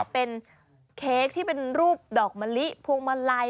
เป็นเค้กที่เป็นรูปดอกมะลิพวงมาลัย